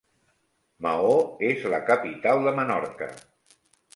Maó és la capital de Menorca.